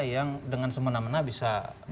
yang dengan semena mena bisa